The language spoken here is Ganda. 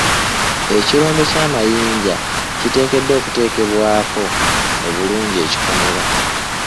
Ekirombe ky'amayinja kiteekeddwa okuteekebwako obulungi ekikomera.